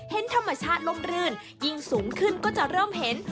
เห็นธรรมชาติล่มรื่นยิ่งสูงขึ้นก็จะเริ่มเห็น